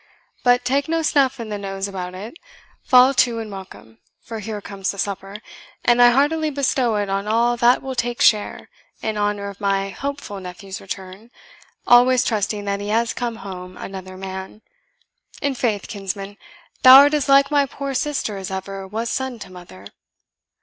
But take no snuff in the nose about it; fall to and welcome, for here comes the supper, and I heartily bestow it on all that will take share, in honour of my hopeful nephew's return, always trusting that he has come home another man. In faith, kinsman, thou art as like my poor sister as ever was son to mother."